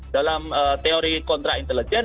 dalam teori kontra intelijen